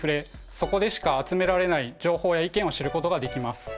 そこでしか集められない情報や意見を知ることができます。